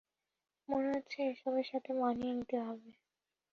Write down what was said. মনে হচ্ছে এসবের সাথে মানিয়ে নিতে হবে।